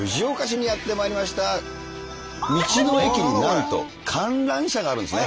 道の駅になんと観覧車があるんですね。